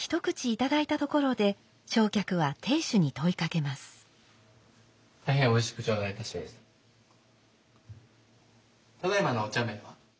ただいまのお茶銘は？